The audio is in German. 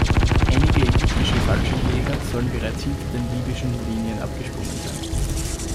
Einige ägyptische Fallschirmjäger sollen bereits hinter den libyschen Linien abgesprungen sein.